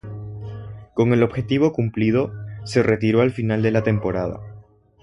Con el objetivo cumplido, se retiró al final de la temporada.